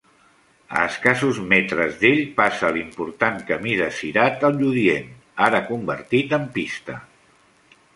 A escassos metres d'ell passa l'important camí de Cirat a Lludient, ara convertit en pista.